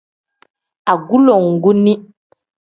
Agulonguni.